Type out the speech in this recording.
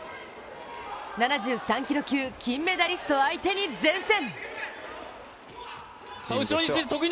７３キロ級、金メダリスト相手に善戦。